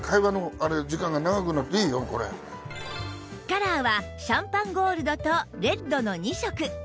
カラーはシャンパンゴールドとレッドの２色